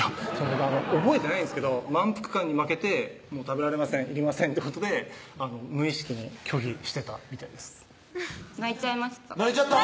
覚えてないんですけど満腹感に負けて「もう食べられません」「いりません」ってことで無意識に拒否してたみたいです泣いちゃいました泣いちゃった？